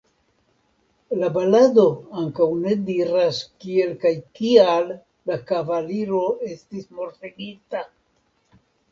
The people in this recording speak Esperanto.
La balado ankaŭ ne diras kiel kaj kial la kavaliro estis mortigita.